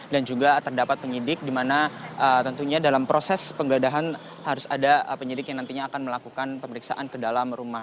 dan juga terdapat penyidik di mana tentunya dalam proses penggeledahan harus ada penyidik yang nantinya akan melakukan pemeriksaan ke dalam rumah